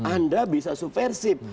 anda bisa subversif